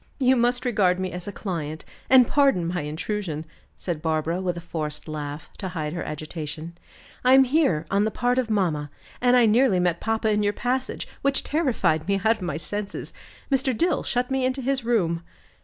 "You must regard me as a client, and pardon my intrusion," said Barbara, with a forced laugh, to hide her agitation. "I am here on the part of mamma and I nearly met papa in your passage, which terrified me out of my senses. Mr. Dill shut me into his room."